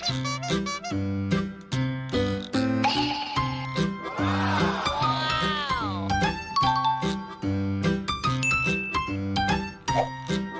อืม